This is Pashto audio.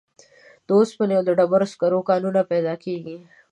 د اوسپنې او ډبرو سکرو کانونه پیدا کیږي.